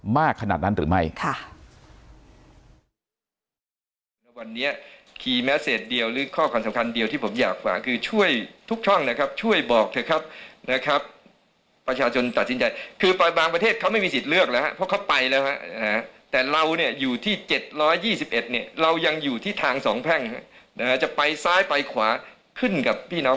มากขนาดนั้นหรือไม่